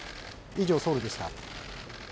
以上ソウルでした。